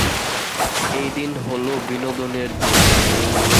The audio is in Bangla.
এই দিন হল বিনোদনের দিন।